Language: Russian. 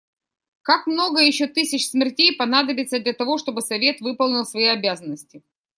Как много еще тысяч смертей понадобится для того, чтобы Совет выполнил свои обязанности?